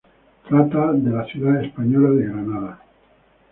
Trata de la ciudad española de Granada.